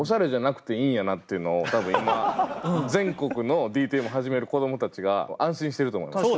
っていうのを多分今全国のＤＴＭ始める子供たちが安心してると思います。